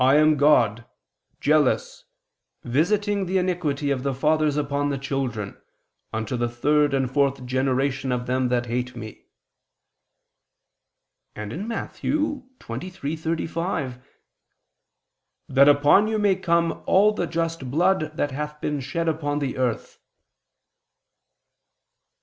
. God ... jealous, visiting the iniquity of the fathers upon the children, unto the third and fourth generation of them that hate Me"; and (Matt. 23:35): "That upon you may come all the just blood that hath been shed upon the earth."